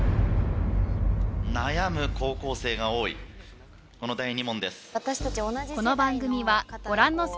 悩む高校生が多いこの第２問です。